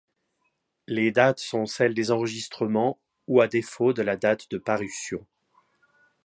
Les dates sont celles des enregistrements ou à défaut de la date de parution.